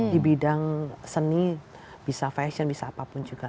di bidang seni bisa fashion bisa apapun juga